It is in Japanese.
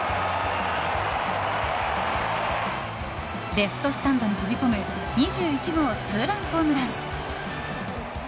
レフトスタンドに飛び込む２１号ツーランホームラン！